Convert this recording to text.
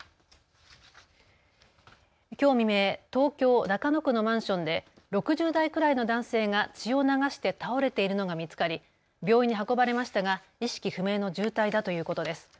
きょう未明、東京中野区のマンションで６０代くらいの男性が血を流して倒れているのが見つかり病院に運ばれましたが意識不明の重体だということです。